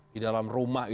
di dalam rumah itu ya